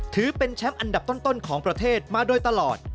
ถือเป็นแชมป์อันดับต้นของประเทศมาโดยตลอด